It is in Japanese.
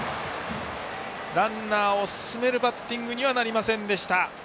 ランナーを進めるバッティングになりませんでした。